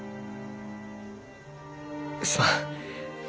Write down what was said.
すまん。